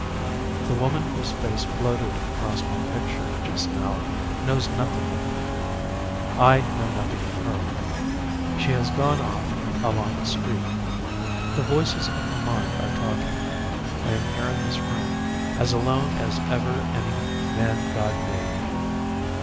The woman whose face floated across my picture just now knows nothing of me. I know nothing of her. She has gone off, along a street. The voices of her mind are talking. I am here in this room, as alone as ever any man God made.